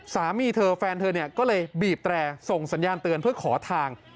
สามีเธอแฟนเธอเนี่ยก็เลยบีบแตรส่งสัญญาณเตือนเพื่อขอทาง